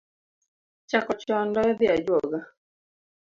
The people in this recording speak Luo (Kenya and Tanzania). Chako chon loyo dhi ajuoga